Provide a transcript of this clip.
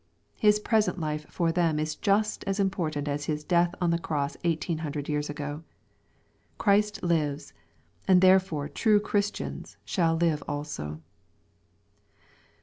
His present life for them is just as important as His death on the cross eighteen hundred years ago. Christ lives, and therefore true Christians " shall live also."